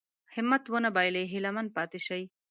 همت ونه بايلي هيله من پاتې شي.